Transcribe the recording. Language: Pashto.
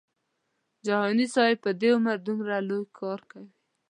جهاني صاحب په دې عمر دومره کار کوي.